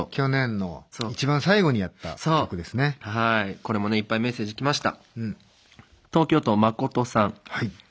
これもねいっぱいメッセージ来ました。